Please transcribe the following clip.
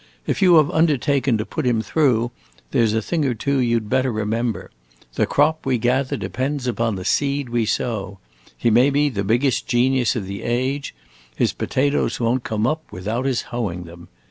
If you have undertaken to put him through, there 's a thing or two you 'd better remember. The crop we gather depends upon the seed we sow. He may be the biggest genius of the age: his potatoes won't come up without his hoeing them.